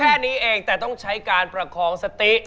แค่นี้เองแต่ต้องใช้การประคองสติ